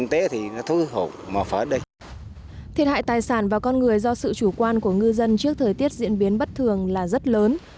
thiệt hại tài sản và con người do sự chủ quan của ngư dân trước thời tiết diễn biến bất thường là rất lớn